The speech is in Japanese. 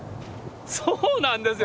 そうなんですよ。